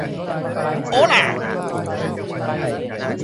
โอล่า